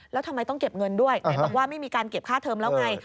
แล้วทำไมต้องเก็บเงินด้วยไหนบอกว่าไม่มีการเก็บค่าเทอมแล้วไง